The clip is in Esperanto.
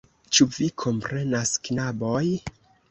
Ĉu vi komprenas, knaboj?